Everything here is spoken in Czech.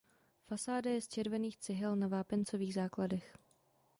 Fasáda je z červených cihel na vápencových základech.